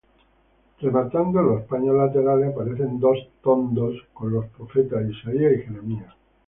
Rematando los paños laterales aparecen dos tondos con los profetas Isaías y Jeremías.